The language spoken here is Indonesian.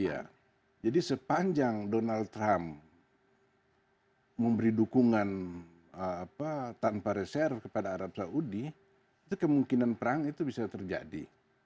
iya jadi sepanjang donald trump memberi dukungan tanpa reser kepada arab saudi itu kemungkinan perang itu bisa terjadi